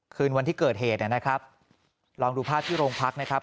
คืนวันที่เกิดเหตุนะครับลองดูภาพที่โรงพักนะครับ